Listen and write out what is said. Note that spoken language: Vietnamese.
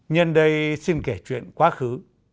nhân đây xin kể chuyện quá khứ